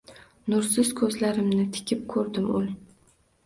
Nursiz ko’zlarimni tikib ko’rdim, ul